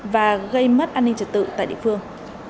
và gây mất an ninh trật tự tại địa phương